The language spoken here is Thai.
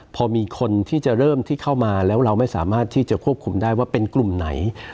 พอมีคนที่จะเริ่มที่เข้ามาแล้วเราไม่สามารถที่จะควบคุมได้ว่าเป็นกลุ่มไหน